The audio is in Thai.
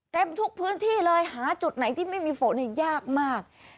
เต็มทุกพื้นที่เลยหาจุดไหนที่ไม่มีฝนยากมาก